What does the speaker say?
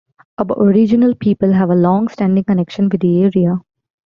Aboriginal people have a long-standing connection with the area.